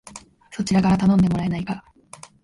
そちらから頼んでもらえないか